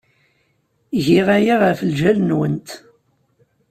Giɣ aya ɣef lǧal-nwent.